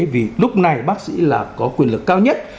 vì lúc này bác sĩ là có quyền lực cao nhất